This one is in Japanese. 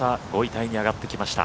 タイに上がってきました。